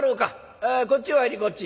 あこっちお入りこっち」。